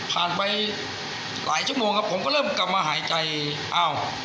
ไปหลายชั่วโมงครับผมก็เริ่มกลับมาหายใจอ้าว